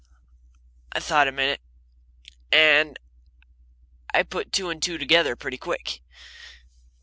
I thought a minute, and put two and two together pretty quick.